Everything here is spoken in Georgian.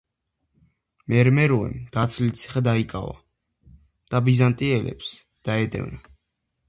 მერმეროემ დაცლილი ციხე დაიკავა და ბიზანტიელებს დაედევნა.